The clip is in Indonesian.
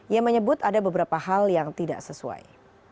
ia menyebut ada beberapa hal yang tidak sesuai